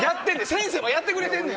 先生もやってくれてんねん。